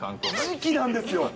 次期なんですよ。